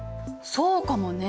そうかもね。